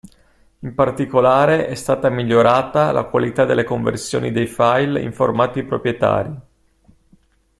In particolare è stata migliorata la qualità delle conversioni dei file in formati proprietari.